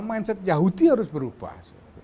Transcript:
mindset yahudi harus berubah